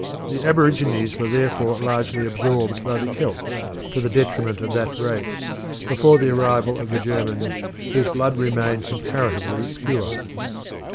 The aborigines were therefore largely absorbed by the Celts, to the detriment of that race, before the arrival of the Germans, whose blood remained comparatively pure.